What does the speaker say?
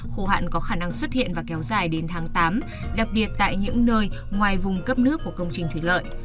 khô hạn có khả năng xuất hiện và kéo dài đến tháng tám đặc biệt tại những nơi ngoài vùng cấp nước của công trình thủy lợi